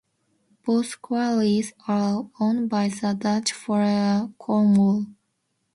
Both quarries are owned by the Duchy of Cornwall.